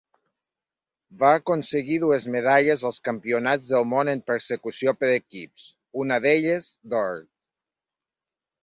Va aconseguir dues medalles als Campionats del Món en persecució per equips, una d'elles d'or.